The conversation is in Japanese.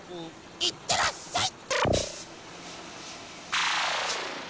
いってらっしゃい！